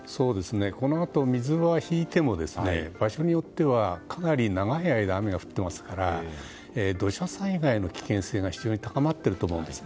このあと水は引いても場所によってはかなり長い間雨が降っていますから土砂災害の危険性が非常に高まっていると思うんです。